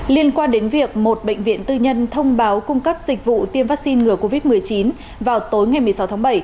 liên quan đến việc một bệnh viện tư nhân thông báo cung cấp dịch vụ tiêm vaccine ngừa covid một mươi chín vào tối ngày một mươi sáu tháng bảy